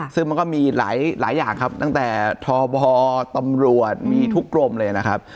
ซึ่งมันก็มีหลายอย่างครับตั้งแต่ทบตำรวจมีทุกกรมเลยนะครับ